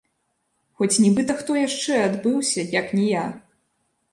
Хоць нібыта хто яшчэ адбыўся, як ні я?!